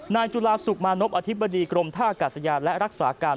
จุฬาสุขมานบอธิบดีกรมท่าอากาศยานและรักษาการ